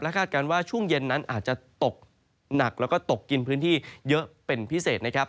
คาดการณ์ว่าช่วงเย็นนั้นอาจจะตกหนักแล้วก็ตกกินพื้นที่เยอะเป็นพิเศษนะครับ